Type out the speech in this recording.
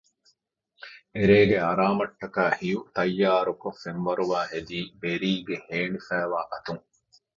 އެރޭގެ އަރާމަށް ޓަކައި ހިޔު ތައްޔާރުކޮށް ފެންވަރުވާ ހެދީ ބެރީ ގެ ހޭނިފައިވާ އަތުން